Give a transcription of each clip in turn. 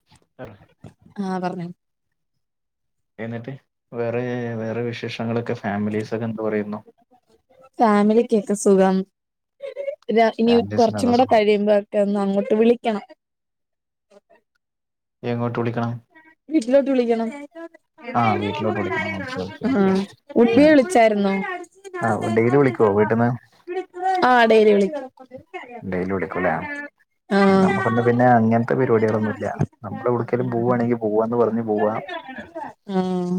[unintelligible] ആ പറഞ്ഞോ? എന്നിട്ട് വേറേ വേറെ വിശേഷങ്ങളൊക്കെ ഫാമിലീസൊക്കെ എന്ത് പറയുന്നു. ഫാമിലിക്ക്ക്കെ സുഖം. ര ഇനി കുറച്ചും ഫാമിലീസിനൊക്കെ കൂടെ സുഖം കഴിയുമ്പോ രന്ന് അങ്ങോട്ട് വിളിക്കണം. എങ്ങോട്ട് വിളിക്കണം.? വീട്ട്ലോട്ടുളിക്കണം [inaudible] ആ വീട്ടിലോട്ട് വിളിക്കണം ഓക്കെ ഓക്കെ [unintelligible] ആഹ ഓക്കെ ഉമ്മി വിളിച്ചായിുന്നോ? ആ വെഡയലി വിളിക്കോ വീട്ടിന്ന്. ആ ഡെയലി വിളിക്കും ഡെയിലി വിടിക്കുംല്ലേ? ആഹ് നമ്മുക്കൊന്നു പിന്നെ അങ്ങനത്തെ പരിപാടികളൊന്നും ഇല്ല നമ്മള് എവിട്കെലും പോ പോണെങ്കി പോവന്ന് പറഞ്ഞു പോവാ. ആഹ്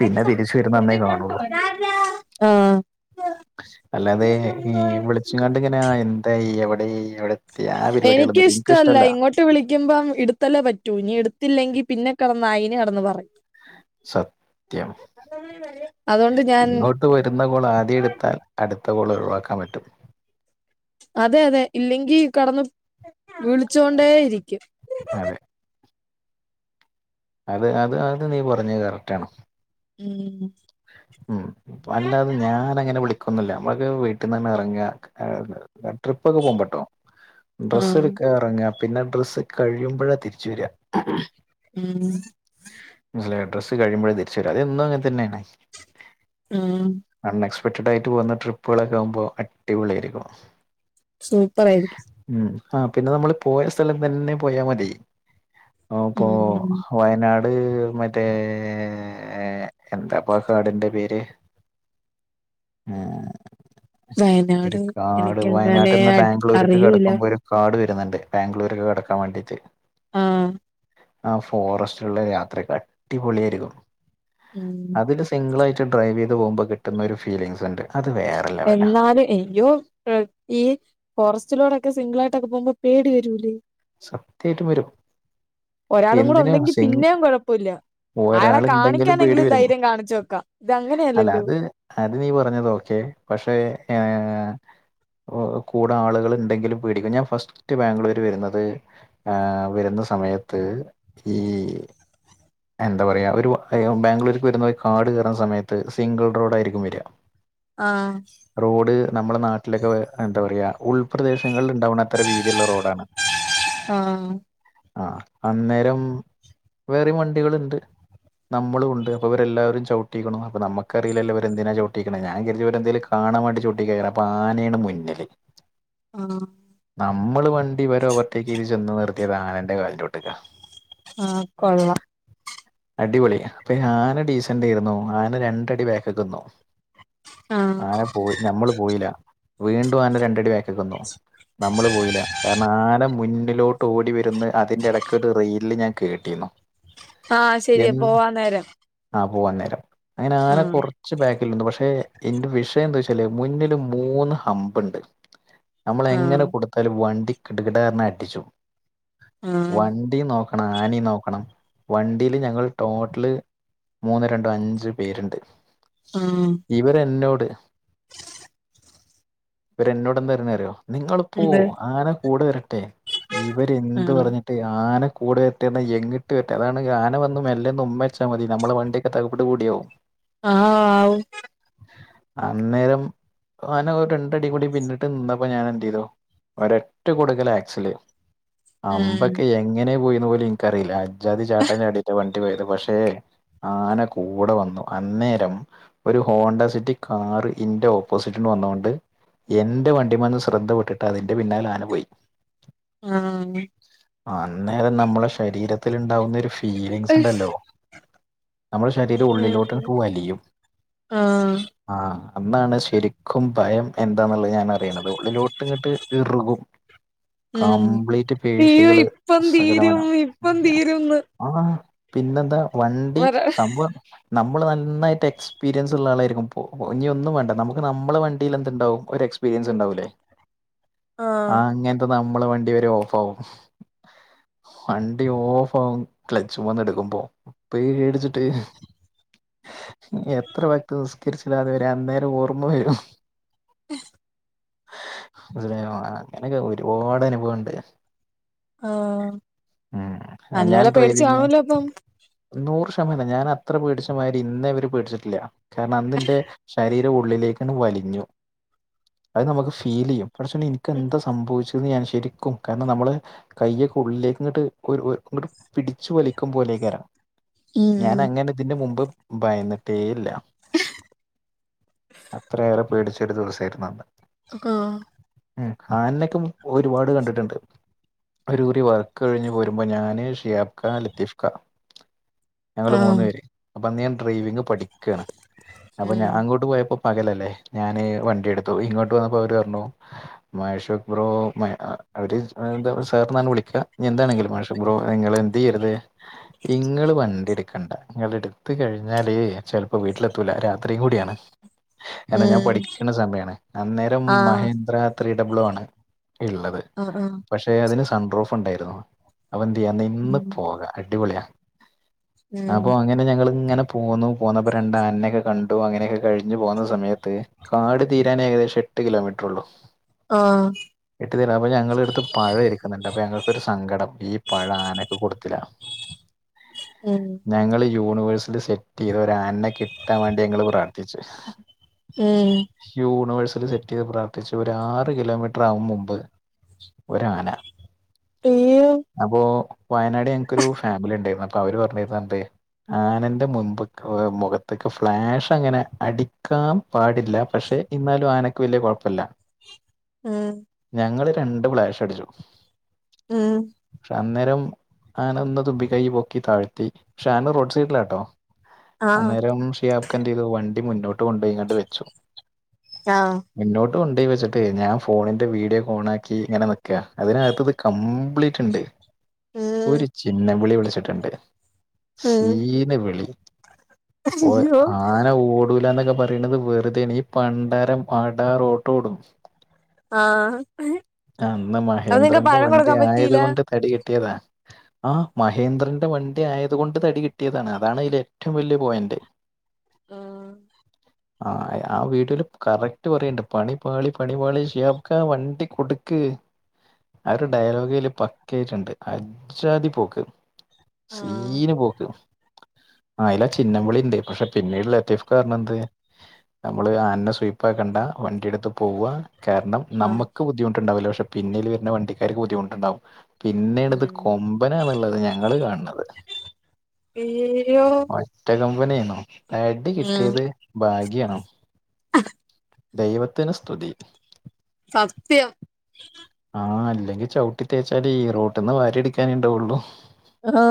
പിന്നെ തിരിച്ച് വരുന്ന അന്നേ കാണുള്ളൂ. ആഹാ അല്ലാതെ ഈ വിളിച്ചങ്ങാണ്ട്ങ്ങനെ എന്താ എവിടെ എവിടെതി തി ആാ പരിപാടിളുന്നുംല്ല ഇന്ക്ക് ഇഷ്ടല്ല. ട്ട് വിളിക്കുമ്പം ഇടുത്തല്ലേ പറ്റൂ. ഇനി ഇട് ത്തില്ലെങ്കി പിന്നെ കടന്ന് അയിന് കടന്ന് പറയും. സത്യം അതൊണ്ട് ഞാൻ ട്ട് വരുന്ന ഗോൾ ആദ്യ എടുത്താൽ അടുത്ത ഗോൾ ഒഴിവാക്കാൻ പറ്റും. അതെ അതെ ഇല്ലെങ്കി കടന്ന്, വിളിച്ചൊണ്ടേ ഇരിക്കും. അതെ, അതെ അത് അത് നീ പറഞ്ഞത് കറക്റ്റ് ആണ്. [unintelligible] ഉം അല്ലാതെ ഞാൻങ്ങനെ വിളിക്കൊന്നില്ല. നമ്മള്ക്കെ വീട്ടിന്നാണ്ട് ഇറങ്ങ. ആ ട്രിപ്പ ഒക്കെ പോകുബോട്ടോ ഡ്രസ്സ് ആഹ് ഇടുക്ക ഇറങ്ങ പിന്നെ ഡ്രസ്സ് കഴിയുമ്പഴാ തിരിച്ച് വരാ. [unintelligible] അലെ ഡ്രസ്സ് കഴിയുമ്പോഴേ തിരിച്ചു വരും. അതെന്നും അങ്ങനെ തന്നെണ് ആഹേം അൺ എക്സ്പെക്ടഡ് ആയിട്ട് പോകുന്ന ട്രിപ്പുകളൊക്കെ ആവുമ്പോ, അടിപൊളി ആയിരിക്കും. സൂപ്പറായിരിക്കും ഉം ആ പിന്നെ നമ്മള് പോയ സ്ഥലം തന്നെ പോയാ മതി. ഓ പ്പൊ ഉം വയനാട് മറ്റേ എാ എന്താപോ പ്പാക്കാടിന്റെ പേര് ഹേ ഒരു വയനാട് കാട് എനിക്കങ്ങനെ വയനാട്ട്ന്ന് ബാംഗ്ലൂർക്ക് അറിയൂല കടക്കുമ്പോ ഒരു കാട് വരുന്നുണ്ട്. ബാംഗ്ലൂരൊക്കെ കടക്കാൻ വാണ്ടിട്ട്. ആഹാ ആ ഫോറസ്റ്റ്ള്ള യാത്രക്കെ അടിപൊളിയായിരിക്കും. ഉും തിൻ്റെ സിംഗിളായിട്ട് ഡ്രൈവ്യ്ത് പോക്പോൾ കിട്ടുന്ന ഒരു ഫീലിംഗ്സ് ഉണ്ട്. അത് വേറെ ലെവലാ എന്നാലും എയ്യോ അഹ ഈ ഫോറസ്റ്റിലോടെൊക്കെ സിംഗിളായിട്ടൊക്കെ പോകുമ്പോ പേടി വരൂല്ലേ? സത്യാ യിട്ടും വരും. ഒരാളും എന്തിന് കുടെണ്ടെങ്കിൽ സിംഗ് പിന്നെ കുഴപ്പമില്ല. അയാളെ ഒരാളുണ്ടെങ്കിലും പേടി കാണിക്കാാനെങ്കിലും വരും ധൈര്യം കാണിച്ചച്ച് വോക്കാം. അല്ല ഇതങ്ങനെയല്ലല്ലോ? അത് അത് നീ പറഞ്ഞത് ഓക്കെ പക്ഷേ ഏാ കൂടെ ആളുകള്ണ്ടെങ്കിലും പേടിക്കും. ഞാൻ ഫസ്റ്റ് ബാംഗ്ലൂര് വരുന്നത്. ത് ആഹ വരുന്ന സമയത്ത്. ഈ എന്താ പറയാ ഒരു ബാംഗ്ലൂരിക്ക് വരുന്ന കാട് കേറാൻ സമയത്ത് സിംഗിൾ റോഡായിരിക്കും വരാ. [inaudible] ആഹ് റോഡ് നമ്മുടെ നാട്ടിലൊക്കെ എന്താ പറയാ ഉൾപ്രദേശങ്ങളിൽ ഇണ്ടാവ്ണത്ര വീതിയിള്ള റോഡാണ് ആഹ് ആഹ് അന്നേരം വേറിം വണ്ടികള്ണ്ട് നമ്മളുണ്ട് അപ്പ ഇവരെ എല്ലാവരും ചൗട്ടീക്ക്ണു അപ്പ നമ്മക്കറീലല്ലോ ഇവരെന്തിനാ ചൗട്ടീക്ക്ണേ ഞാൻ കര്തി ഇവരെന്തേലും കാ കാണാൻ വേണ്ടി ചൗട്ടേകാരം അപ്പ ആനേണ് മുന്നില് ആഹ് നമ്മള് വണ്ടി വരെ ഓവർടേക്ക് ചെയ്ത് ചെന്ന് നിർത്തിയത് ആനൻ്റെ കാൽന്റെ ചോട്ട്ക്കാ ആഹ് കൊള്ളാം ഹജ്ഗ്ഠാസ്സ്ഫ് അടിപൊളി അപ്പ ഈ ആന ഡീസന്റേയിരുന്നു ആന രണ്ടടി ബേക്ക്ക്ക്ന്നു ആഹ് ആന പോയി ഞമ്മള് പോയീല വീണ്ടും ആന രണ്ടടി ബേ നിന്നെന്നു നമ്മള് പോയില്ല കാരണം ആന മുന്നിലോട്ട് ഓടി വരുന്നെ അതിന്റെ എടക്ക് ഒരു റീൽല് ഞാൻ കേട്ടിരുന്നു ആഹ് ശരിയാ പോവാൻ നേരം ആഹ് പോവാൻ നേരം അങ്ങനെ ആന ആഹ് കൊർ ച്ച് ബാക്കിൽ നിന്നു പക്ഷെ എന്റെ വിഷയം എന്താച്ചാല് മുന്നില് മൂന്ന് ഹമ്പ്ണ്ട് നമ്മള് എങ്ങനെ ആഹ് കൊട്ത്താലും വണ്ടി കിട്കിടാർഞ്ഞ് അട്ടിച്ചും. വ ആഹ് ണ്ടിം നോക്കണം ആനിം നോക്കണം വണ്ടീല് ഞങ്ങള് ടോട്ടല് മൂന്ന് രണ്ടും അഞ്ച് പേര്ണ്ട് ആഹ് ഇവര് എന്നോട് ഇവര് എന്നോട് എന്താ പറഞ്ഞിന്നറിയോ നിങ്ങള് പോ എന്ത് അങ്ങനെ കൂടെ വരട്ടെ ഇവര്ന്ത് ആഹ് പറഞ്ഞി മ ആന കൂടെ വെത്തി എന്ന എങ്ങിട്ട് വറ്റുക അതാണ് ആന വന്ന മെല്ലന്ന് ഉമ്മച്ചാൽ മതി നമ്മുടെ വണ്ടിയൊക്കെ തകപ്പട്ട് കൂടിയാവവും ഗ്ഗ് ആഹ ആഔ അന്നേരം ആന രണ്ടടി കൂടി പിന്നിട്ട് നിന്നപ്പോൊ ഞാൻ എന്ത് ചെയ്തോ ഒര ഒറ്റ കൊട്ക്കല് ആക്സല് ഉം ഇങ്ങനെ പോയുന്ന പോലും എനിക്കറിയില്ലജാദ ചാട്ടാൻ ചാടിയിട്ട് വണ്ടി പോയത് പക്ഷെ ആന കൂടെ വന്നു അന്നേരം ഒരു ഹോണ്ട സിറ്റി കാർ ഇന്റെ ഓപ്പോസിറ്റന് വന്നൊണ്ട് എന്റെറെ വണ്ടിമന്ന് ശ്രദ്ധപ്പെട്ടിട്ട് അതിന്റെ പിന്നാലെ ആന പോയി ആഹ അന്നേരം നമ്മള ശരീരത്തിൽ ഉണ്ടാവുന്ന ഒരു ഫീലിങ്സ് ഉണ്ടല്ലോ നമ്മുടെ ശരീരം ഉം ഉള്ളിലോട്ട പൂവലിയും ആഹ് ആഹ അന്നാണ് ശരിക്കും ഭയം എന്താന്നുള്ളത് ഞാൻ അറിയണത് ഉള്ളിലോട്ട് ഇങ്ങിട്ട് ഇറുകും ഉം കംപ്ലീറ്റ് അയ്യോ പേഴ്ശികള് ഇപ്പം സകലമാന തീരും ഇപ്പം തീരുംന്ന് ആഹ പിന്നെന്താ വണ്ടി പറ സംഭവം നമ്മള് നന്നായിട്ട് എക്സ്പീരിയൻസ് ഉള്ള ആളായിരിക്കും ഇ ഇനിിയ ഒന്നും വണ്ട നമുക്ക് നമ്മളെ വണ്ടിൽ എന്തുണ്ടാവും ഒരു എ്പ എ്പരിയസ് ഉണ്ടാവല്ലേ ആ ആഹ് അങ്ങനത്തെ നമ്മള് വണ്ടി വരെ ഓഫ് ആകും വണ്ടി ഓഫ് ആകും ക്ലച്ച് പോന്ന് എടുക്കുമ്പോ പേടിച്ചിട്ട് എത്ര വക്ത് നിസ്കരിച്ചില്ലാതെ വരെ അന്നേരം ഓർമ വരും ഉ അ അങ്ങനൊക്കെ ഒരുപാട് അനുഭവംുണ്ട് ആഹ് ഉ ഞാൻ നല്ലപോലെ പേടിച്ച് ഡ്രൈവിങ് കാണുവല്ലോ അപ്പം നൂറ് ശമനം ഞാൻ അത്ര പേടിച്ചമാതിരി ഇന്ന ഇവര് പേടിച്ചിട്ടില്ല കാരണം അതിന്റെ ശരീരം ഉള്ളി ലക്കാങ്ങട് വലിഞ്ഞു. അത് നമുക്ക് ഫീൽ ചെയ്യും. എനിക്ക് എന്താ സംഭവിച്ചെന്ന് ഞാൻ ശരിക്കും, കാരണം നമ്മള് കയ്യൊക്കെ- ഉള്ളിലേക്ക് ഇങ്ങോട്ട് ഇങ്ങോട്ട് പിടിച്ചു വലിക്കും പോലെക്കരം. ഞാന ഉം അങ്ങനെ ഇതിന്റെ മുമ്പ് ഭയന്നിട്ടേ ഇല്ല. അത്രയേറെ പേടിച്ചൊരു ദിവസമായിരുന്നു അത്. [inaudible] ഉ ആനനെക്കെ ഒരുപാട് കണ്ടിട്ടുണ്ട്. ഒരു കുറി വർക്ക് കഴിഞ്ഞ് പോരുമ്പോൾ ഞാന്, ഷിയാബ്ക്കാ, ലത്തീഫ്ക്കാ- ഞങ്ങള് ആഹ് മൂന്ന്പേര് അപ്പം അന്ന് ഞാൻ ഡ്രൈവിങ് പഠിക്കണ്. അപ്പ ഉം ഞാൻ അങ്ങോട്ട് പോയപ്പോ- പകലല്ലേ ഞാന് വണ്ടി എടുത്തു. ഇങ്ങോട്ട് വന്നപ്പോ അവര് പറഞ്ഞു- മഷുക് ബ്രോ അവര് എന്താ സാർ എന്നാ വിളിക്കുക, ഇനി എന്താണെങ്കിലും മഷ- ബ്രോ നിങ്ങൾ എന്ത് ചെയ്യരുത്, ഇങ്ങള് വണ്ടി എടുക്കണ്ട, നിങ്ങള എടുത്ത് കഴിഞ്ഞാലേ ചിലപ്പോ- വീട്ടിലെത്തൂല രാത്രിയും കൂടിയാണ്. [inaudible] അന്ന് ഞാൻ ഉം പഠിക്കുന്ന സമയമാണ്, അന്നേരം ആഹ് മഹേന്ദ്ര ത്രീഡബിൾവൺ ആണ് ഉള്ളത്. ആഹാ ആഹാ... ! പക്ഷെ അതിന് സൺറോഫ് ഉണ്ടായിരുന്നു, അപ്പോഎന്തേയ്യാ നിന്ന് ഉം പോകാം അടിപൊളിയാ. ഉം അപ്പോ അങ്ങനെ. പിന്നെ ഞങ്ങൾ ഇങ്ങനെ പോന്നു, പോന്നപ്പോ രണ്ടാ അനനെയൊക്കെ കണ്ടു അങ്ങനെയൊക്കെ കഴിഞ്ഞു പോകുന്ന സമയത്ത്- കാട് തീരാനേഏകദേശം എട്ട് കിലോമീറ്റർ ഉള്ളു. ആഹാ! കട്ടി തരാ അപ്പോ ഞങ്ങള അടുത്ത് പഴം ഇരിക്കുന്നുണ്ട് അപ്പോ ഞങ്ങൾക്കൊരു സങ്കടം ഈ പഴ ആനക്ക്കൊടുത്തില്ല. [inaudible] ഉം... ! ഞങ്ങള് യൂണിവേഴ്സിൽ സെറ്റ് ചെയ്ത ഒരാനനെ കിട്ടാൻ വേണ്ടി ഞങ്ങള് പ്രാർത്ഥിച്ചു. ഉം.. ! യൂണിവേഴ്സൽ സെറ്റ് ചെയ്ത് പ്രാർത്ഥിച്ചു. ഒരാറ് കിലോമീറ്റർ ആകുമുമ്പ് ഒരാന. [unintelligible] [inaudible] അപ്പോ വയനാട് ഞക്കൊരു ഫാമിലി ഉണ്ടായിരുന്നു, അപ്പോ അവര് പറഞ്ഞിരുന്നെന്ത് - ആനന്റെ മുൻപ് മുഖത്തേക്ക- ങ്ങനെ ഫ്ലാഷ് അങ്ങനെ അടിക്കാൻ പാടില്ല പക്ഷെ, എന്നാലും ആനക്ക് വലിയ കുഴപ്പല്ല. [unintelligible] ഞങ്ങള് രണ്ട് ഫ്ലാഷടിച്ചു. ഉം.. ! അന്നേരം ആന ഒന്ന് തുമ്പികൈ പൊക്കി താഴ്ത്തി, പക്ഷെ ആന റോഡ് സൈഡിലാട്ടോ. ആഹ് അന്നേരം ഷിയാബ്ക്ക് എന്തേതു, വണ്ടി മുന്നോട്ട് കൊണ്ട്പോയിങ്ങണ്ട് വെച്ചു. ആഹ് മുന്നോട്ട് കൊണ്ടു പോയിവെച്ചപ്പോ - അതെ ഞാൻ ഫോണിന്റെ വീഡിയോ ഓണാക്കി ഇങ്ങനെ നിക്ക അതിനകത്ത് ഇത് കംപ്ലീറ്റ് ഉണ്ട്. ഉം ഒരു ചിന്നം വിളി വിളിച്ചിട്ടുണ്ട്. ഉം സീന് വിളി പോ അയ്യോ ആന, ഓടൂലന്നൊക്കെ പറയണുന്നത്- വെറുതെണ് ഈ പണ്ടരം അടറോട്ടോടും. ആഹാ... ! അന്ന് മഹേന്ദ്രന്റെ വണ്ടി ആയത് പറ്റിയില്ല കൊണ്ട് തടി കിട്ടിയതാ. ആ മഹേന്ദ്രന്റെ വണ്ടി ആയത് കൊണ്ട് തടി കിട്ടിയതാണ്, അതാണ് അതില ഏറ്റവും വലിയ പോയിന്റ്. [inaudible] ആഹാ... ! ആഹാ ആഹാ ആവീഡിയോല് കറക്റ്റ് പറയണ്ട് പണി പാളി, പണി പാളി ഷിയാബ്കാ വണ്ടി കൊടുക്ക്. ആ ഒരു ഡയലോഗല് പക്ക ആയിട്ടുണ്ട് അജ്ജതി പോക്ക്. ആഹ് സീന് പോക്ക് അയില്ലാ ചിന്നംവിളിണ്ട് പക്ഷേ പിന്നീട് ലത്തീഫ്ക്കറ്ഞ്ഞെന്ത് നമ്മള് ആനനെ സുയിപ്പാക്കണ്ട വണ്ടിയെടുത്ത് പോ പോവ കാരണം ആഹ് നമുക്ക് ബുദ്ധിമുട്ടുണ്ടവ് ല പക്ഷെ പിന്നൽ വരുന്ന വണ്ടിക്കാർക്ക് ബുദ്ധിമുട്ടുണ്ടാവും പിന്നെണത് ഉം കൊമ്പന ന്നുള്ളത് ഞങ്ങള് കാണ് അയ്യോ ണത് ഒറ്റ കൊമ്പനയ്നു പാടി ഉം കിട്ടിയത് ഭാഗ്യാണോ ദൈവത്തിന് സ്തുതി സത്യം ആഹ അല്ലെങ്കിൽ ചവിട്ടി തേച്ചാലയ് റോട്ടില് ന്ന് വാരിയെടുക്കാനേ ണ്ടാവൊള്ളു ആഹ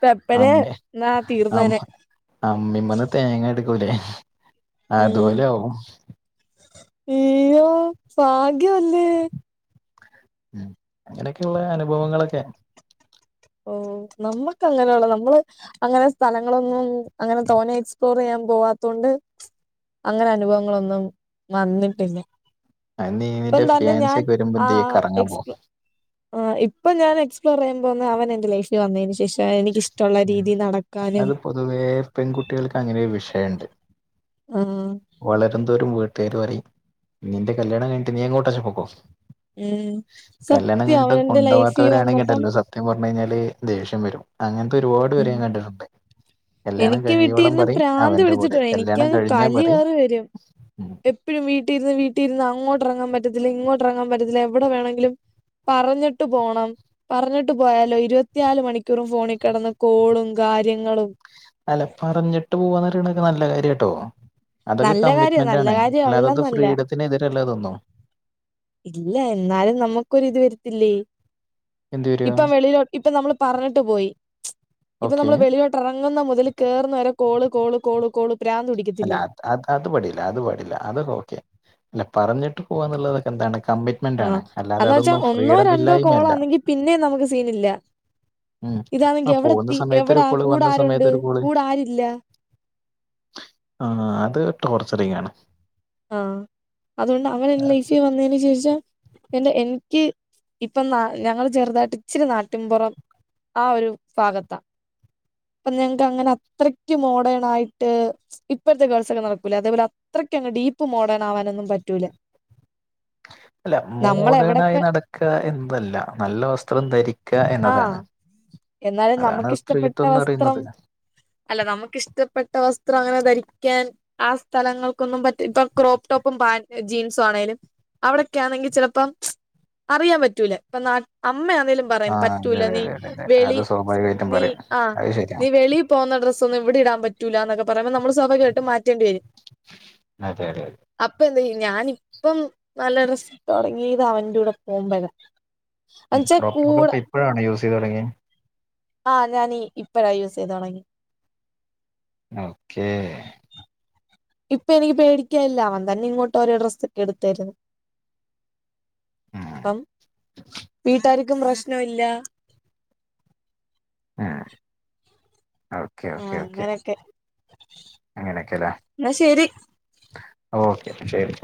പ്പ പ്പനെ അമ്മ എന്നാ അമ്മ തീർന്നെനെ അമ്മിമ്മന്ന് തേങ്ങ എടുക്കൂല്ലേ അതുപോലാകും ഇയ്യോ ഭാഗ്യ ല്ലേ ഉം അങ്ങനെയൊക്കെയുള്ള അനുഭവങ്ങളൊക്കെ ഓ നമ്മുക്ക് അങ്ങനെണ് നമ്മള് അങ്ങനെ സ്ഥലങ്ങളൊന്നും അങ്ങനെ തോന്നെ എക്സ്പ്ലോറെയ്യാൻ പോവാത്തൊണ്ട് അങ്ങനെ അനുഭവങ്ങളൊന്നും വന്നിട്ടില്ല അത് നീ നിന്റെ പ്പതന്നെ ഫിയാൻസി ഞാൻ ഒക്കെ വരുമ്പോ ആ എന്ത് ചെയ്യും കറങ്ങാൻ പോവും എക്സ്പ ആ ഇപ്പൊ ഞാൻ എക്സ്പ്ലോർ ചെയ്യബോവുന്നെ അവൻ എന്റെറെ ലൈഫിൽ വന്നെന് ശേഷ എനിക്കിഷ്ടള്ള രീതി നടക്കാനും അത് പൊതുവേ പെൺകുട്ടികൾക്ക് അങ്ങനെ ഒരു വിഷയണ്ട് ആഹ വളരുന്തോറും വീട്ടാര് പറയും നീന്റെ കല്യാണം കഴിഞ്ഞട്ട് നീ എങ്ങോട്ടാച്ചാ പോക്കോ ഉം കല്യാണം സത്യം അവൻ കഴിഞ്ഞിട്ട് എന്റെ ലൈഫിൽ കൊണ്ടോവാത്തരാണെങ്കി വന്നപ്പം ണ്ടെല്ലോ സത്യം സത്യം പറഞ്ഞാല് ദേഷ്യം വരും അങ്ങനത്തെ ഒരുപാട് പേരെ ഉം ഞാൻ കണ്ടിട്ടുണ്ട് കല്യാണം എനിക്ക് കഴിയിയോളം വീട്ടിലിരുന്ന് പറിം പ്രാന്ത് അവന്റെ കൂടെ പിടിച്ചിട്ടുണ്ട്. കല്യാണം എനിക്കങ്ങ് കഴിഞ്ഞ പറിം എപ്പോഴും വീട്ടിരുന്ന് വീട്ടിരുന്ന് അങ്ങോട്ടിറങ്ങാൻ പറ്റത്തില്ല ഇങ്ങോട്ട് ഇറങ്ങാൻ പറ്റത്തില്ല എടെ വേണെങ്കിലും പറഞ്ഞിട്ട് പോണം പറഞ്ഞിട്ട് പോയാലോ ഇരുപത്തിനാല് മണിക്കൂറും ഫോണിൽ കിടന്ന് കോളും കാര്യങ്ങളും അല്ല പറഞ്ഞിട്ട് പോവാന്നറിയണൊക്കെ നല്ല കാര്യം കേട്ടോ അതൊക്കെ നല്ല കാര്യാ കമ്മിറ്റ്മെന്റ് നല്ല ആണ് കാര്യം അല്ലാത ത് അല്ലെന്നല്ല. ഫ്രീഡത്തിനെതിരല്ല തോന്നുന്നു ഇല്ല എന്നാലും നമുക്കൊരി ഇത് വരത്തില്ലേ എന്ത് വരിക ഇപ്പം വെളിലോ ഇപ്പ നമ്മൾ പറഞ്ഞിട്ട് പോയി ഇപ്പൊ ഓക്കെ നമ്മൾ വെളിലോട്ട് ഉറങ്ങുന്ന മുതൽ കേറുന്ന വരെ കോള് കോള് കോള് കോള് പ്രാന്തു പിടിക്കത്തില്ലേ അത അത് പടിയില്ല അത് പാടിയില്ല അതൊക്കെ ഓക്കെ അല്ല പറഞ്ഞിട്ട് പോവാന്നുള്ളതൊക്കെ എന്താണ് കമ്മിറ്റ്മെന്റ് അത് ആഹ്. കൊണ്ടാണ് അല്ലാതെ എന്ന് വെച്ചാ അതൊന്നും ഒന്നോ രണ്ടോ ഫ്രീഡമില്ലായ്മ അല്ല കോളാണെങ്കി പിന്നേം നമുക്ക് സീനില്ല. ഉം ആ ഇതാണെങ്കി പോകുന്ന എവിടെത്തി സമയത്തൊരു എവിടാ കോള് കൂടെ വന്ന ആരുണ്ട് സമയത്തൊരു കോള് കൂടെ ആരില്ല ആ അത് ടോർച്ചറിങ്ങാണ് ആഹ അതുകൊണ്ട് അവന് എന്റെ ലൈഫിൽ വന്നതിന് ശേഷം എല്ല എനിക്ക് ഇപ്പൊ ന ഞങ്ങള് ചെറുതായിട്ട് ഇച്ചിരി നാട്ടിൻപുറം ആ ഒരു ഭാഗത്ത അപ്പൊ ഞങ്ങക്ക് അങ്ങനെ അത്രക്ക് മോഡേണായിട്ട് ഇപ്പോഴത്തെ ഗേൾസ് ഒക്കെ നടക്കൂലെ അതേപോലെ അത്രക്കങ്ങട്ട് ഡീപ്പ് മോഡേൺ ആവാനൊന്നും പറ്റൂല അല്ല മോഡേണായി നമ്മളെവിടൊക്കെ നടക്കു എന്നതല്ല നല്ല വസ്ത്രം ധരിക്ക ആഹ് എന്നതാണ് എന്നാലും അതാണ് നമുക്കിഷ്ടപ്പെട്ട സ്ത്രീത്വം എന്ന് വസ്ത്രം പറയുന്നത് അല്ല നമുക്കിഷ്ടപ്പെട്ട വസ്ത്രം അങ്ങനെ ധരിക്കാൻ ആ സ്ഥലങ്ങൾക്കൊന്നും പറ്റ് ഇപ്പ ക്രോപ്പ് ടോപ്പും പാന്റും ജീൻസും ആണേലും അവിടൊക്കൊണെങ്കിൽ ചെലപ്പം അറിയാൻ പറ്റൂല ഇപ്പ അമ്മണലും ആ പറയാം അതെ പറ്റൂല അതെ നീ അതെ അതെ അതെ അത് വെളി സ്വാഭാവികമായിട്ടും നീ പറയും ആ അത് നീ ശരിയാണ് വെളീ പോന്ന ഡ്രസ് ഒന്നും ഇവിടെ ഇടാൻ പ റ്റൂലന്നൊക്കെ പറയുമ്പോ നമ്മള് സ്വാഭാവികായിട്ട് മാറ്റേണ്ടി വരും അതെ അതെ അതെ അപ്പൊ എന്തെയ്യും ഞാന് ഇപ്പം നല്ല ഡ്രസ്സ് ഇട്ട് തുടങ്ങിയത് അവന്റൂടെ പോമ്പഴാ അന്നച്ച കൂട ഇപ്പോഴാണോ യൂസ് ചെയ്ത് തുടങ്ങിയേ ആ ഞാനീ ഇപ്പഴാ യൂസെയ്ത് തുടങ്ങി ഓക്കേ ഇപ്പൊ എനിക്ക് പേടിക്കാല്ല അവൻ തന്നെ ഇങ്ങോട്ട് ഒരു ഡ്രസ്സ് ഒക്കെ എടുത്തരുന്ന് അപ്പം വീട്ടാര്ക്കും പ്രശ്നല്ല ആ ഓക്കെ ആഹ് ഓക്കെ ഓക്കെ അങ്ങനൊക്കെ അങ്ങനൊക്കെല്ലേ എന്നാ ശരി ഓക്കെ ശരി